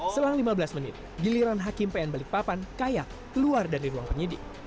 selang lima belas menit giliran hakim pn balikpapan kaya keluar dari ruang penyidik